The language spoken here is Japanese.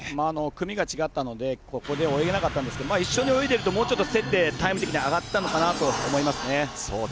組が違ったのでここで泳げなかったんですけど一緒に泳いでたらもうちょっと競ってタイム的に上がったのかなと思います。